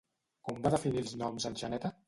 Com va definir els noms en Xaneta?